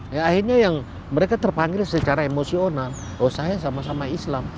ya akhirnya yang mereka terpanggil secara emosional oh saya sama sama islam